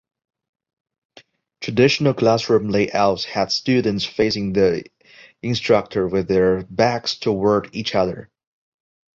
Traditional classroom layouts had students facing the instructor with their backs toward each other.